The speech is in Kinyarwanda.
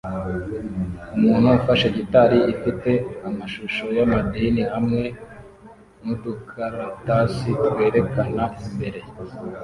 Umuntu ufashe gitari ifite amashusho y’amadini hamwe nudukaratasi twerekana imbere